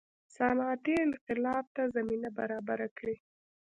صنعتي انقلاب ته زمینه برابره کړي.